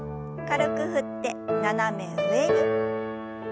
軽く振って斜め上に。